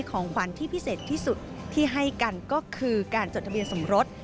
ของขวัญที่พิเศษที่สุดที่ให้กันก็คือการจดทะเบียนสมรส